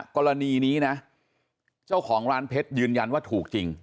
กรณีนี้นะเจ้าของร้านเพชรยืนยันว่าถูกจริง